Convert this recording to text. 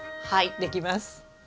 はいできます。